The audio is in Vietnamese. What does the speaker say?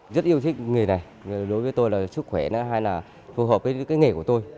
rất yêu thích nghề này đối với tôi là chức khỏe hay là phù hợp với nghề của tôi